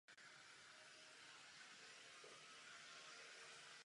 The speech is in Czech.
Naštěstí není tato zmije vůbec útočná a je navíc velmi pomalá.